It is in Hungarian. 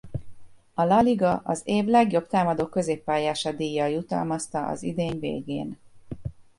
A La Liga az év legjobb támadó középpályása díjjal jutalmazta az idény végén.